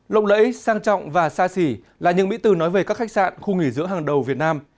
lộng lẫy sang trọng và xa xỉ là những mỹ từ nói về các khách sạn khu nghỉ giữa hàng đầu việt nam